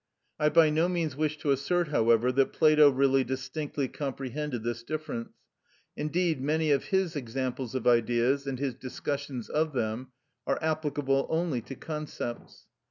I by no means wish to assert, however, that Plato really distinctly comprehended this difference; indeed many of his examples of Ideas, and his discussions of them, are applicable only to concepts.